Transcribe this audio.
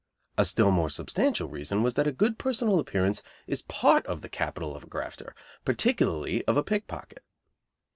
A still more substantial reason was that a good personal appearance is part of the capital of a grafter, particularly of a pickpocket.